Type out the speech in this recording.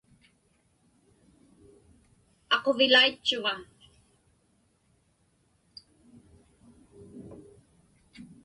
Aquvilaitchuŋa.